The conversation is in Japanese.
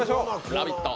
「ラヴィット！」